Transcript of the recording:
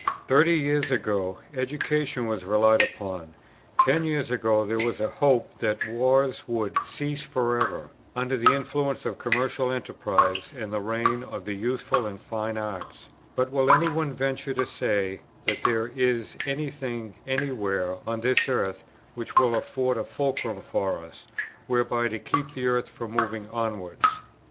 Thirty years ago, education was relied upon: ten years ago there was a hope that wars would cease for ever, under the influence of commercial enterprise and the reign of the useful and fine arts; but will any one venture to say that there is any thing any where on this earth, which will afford a fulcrum for us, whereby to keep the earth from moving onwards?